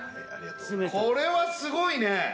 これはすごいね！